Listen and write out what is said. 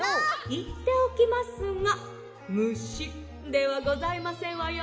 「いっておきますが『むし』ではございませんわよ」。